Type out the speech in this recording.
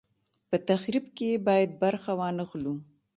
په تخریب کې یې باید برخه وانه خلو.